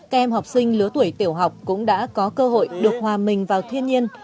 các em học sinh lứa tuổi tiểu học cũng đã có cơ hội được hòa mình vào thiên nhiên